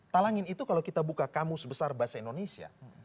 talangin itu kalau kita buka kamus besar bahasa indonesia